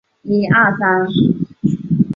他认为波函数由于与意识的相互作用而坍缩。